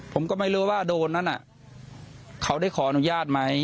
ผมก็ไม่รู้ว่าโดนนั้นเขาได้ขออนุญาตไหม